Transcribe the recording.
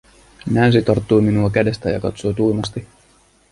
Nancy tarttui minua kädestä ja katsoi tuimasti.